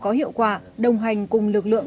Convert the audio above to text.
có hiệu quả đồng hành cùng lực lượng